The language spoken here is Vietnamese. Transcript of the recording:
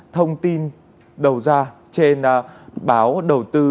thông tin đầu ra trên báo đầu tư